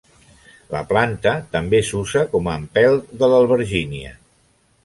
La planta també s'usa com a empelt de l'albergínia.